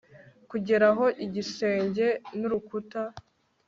Kugera aho igisenge nurukuta